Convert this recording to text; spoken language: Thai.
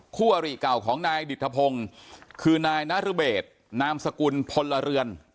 คู่อริเก่าของนายดิตภงคือนายนรเบศนามสกุลพลเรือน